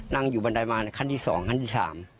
นั่งอยู่บรรยายมาเข้าของขั้นที่๒ขั้นที่๓